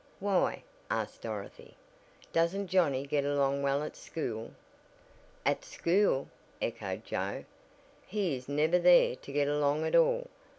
"Why?" asked Dorothy, "doesn't Johnnie get along well at school?" "At school?" echoed Joe, "he is never there to get along at all.